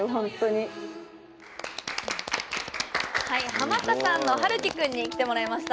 ハマったさんのはるき君に来てもらいました。